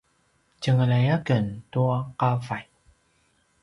tjengelay aken tua qavay